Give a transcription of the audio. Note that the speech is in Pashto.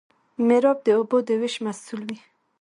میرآب د اوبو د ویش مسوول وي.